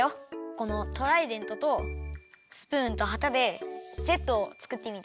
このトライデントとスプーンとはたでＺを作ってみた。